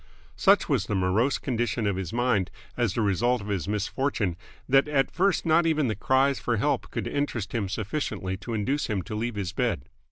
Such was the morose condition of his mind as the result of his misfortune that at first not even the cries for help could interest him sufficiently to induce him to leave his bed.